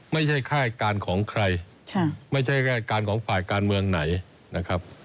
ค่ายการของใครไม่ใช่ค่ายการของฝ่ายการเมืองไหนนะครับ